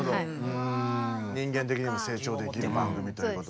うん人間的にもせい長できる番組ということで。